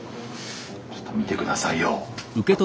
ちょっと見て下さいよ。